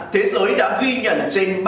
thế giới đã ghi nhận trên ba trăm sáu mươi